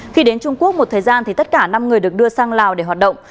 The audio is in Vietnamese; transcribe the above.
khi đến trung quốc một thời gian thì tất cả năm người được đưa sang lào để hoạt động